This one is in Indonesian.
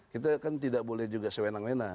kita kan tidak boleh juga sewenang wena